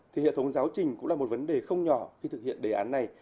thì hệ thống giáo trình cũng là một vấn đề không nhỏ khi thực hiện đề án này